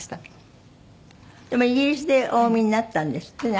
でもイギリスでお産みになったんですってね